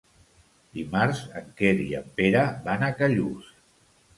Dimarts en Quer i en Pere van a Callús.